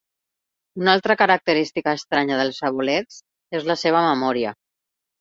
Una altra característica estranya dels aboleths és la seva memòria.